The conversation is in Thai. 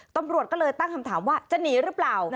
ตำรวจก็เลยตั้งคำถามว่าจะหนีหรือเปล่า